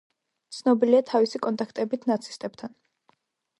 ცნობილია თავისი კონტაქტებით ნაცისტებთან.